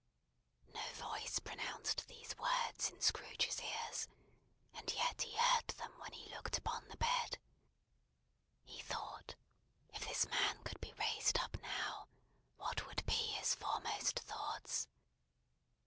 No voice pronounced these words in Scrooge's ears, and yet he heard them when he looked upon the bed. He thought, if this man could be raised up now, what would be his foremost thoughts?